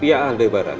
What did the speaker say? pia ahli barang